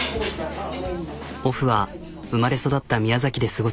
オフは生まれ育った宮崎で過ごす。